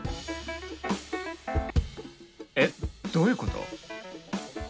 えっどういうこと？